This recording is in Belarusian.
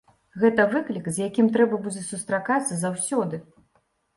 Гэта выклік, з якім трэба будзе сустракацца заўсёды.